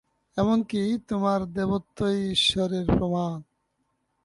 এমন কি, তোমার দেবত্বই ঈশ্বরের প্রমাণ।